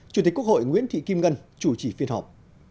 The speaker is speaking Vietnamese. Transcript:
chủ tịch quốc hội nguyễn thị kim ngân chủ trì phiên họp